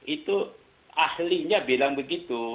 itu ahlinya bilang begitu